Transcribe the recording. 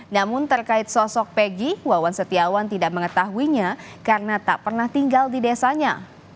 namun terkait sosok pegi wawan setiawan tidak mengetahuinya karena tak pernah tinggal di desanya